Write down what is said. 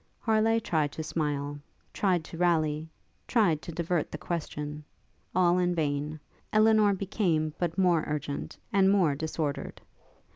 ] Harleigh tried to smile, tried to rally, tried to divert the question; all in vain; Elinor became but more urgent, and more disordered.